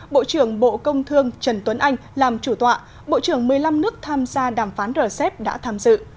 bộ trưởng bộ công thương trần tuấn anh làm chủ tọa bộ trưởng một mươi năm nước tham gia đàm phán rcep đã tham dự